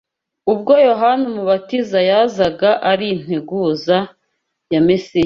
Ubwo Yohana Umubatiza yazaga ari integuza ya Mesiya